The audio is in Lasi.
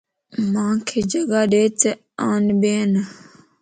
مانک جگاڏيت آن ٻين